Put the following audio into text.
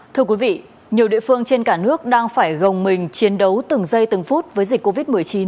thưa quý vị nhiều địa phương trên cả nước đang phải gồng mình chiến đấu từng giây từng phút với dịch covid một mươi chín